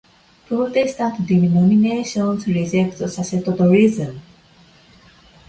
Protestant denominations reject "sacerdotalism".